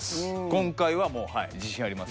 今回はもうはい自信あります。